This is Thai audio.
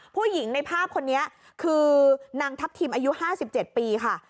ผู้หญิงในภาพคนนี้คือนางทัพทิมอายุ๕๗ปีค่ะ